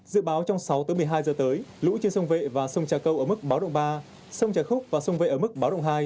dự báo trong sáu tới một mươi hai giờ tới lũ trên sông vệ và sông trà câu ở mức báo động ba sông trà khúc và sông vệ ở mức báo động hai